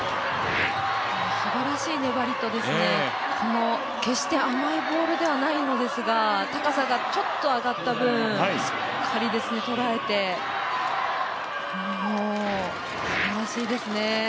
すばらしい粘りと決して甘いボールではないですが高さがちょっと上がった分しっかり捉えてもう、すばらしいですね。